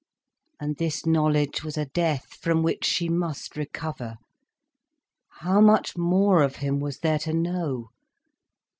And this knowledge was a death from which she must recover. How much more of him was there to know?